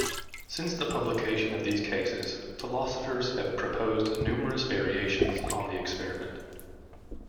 Since the publication of these cases, philosophers have proposed numerous variations on the experiment.